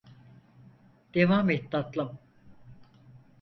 Devam et, tatlım.